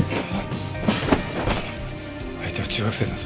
相手は中学生だぞ。